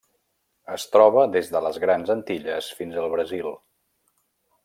Es troba des de les Grans Antilles fins al Brasil.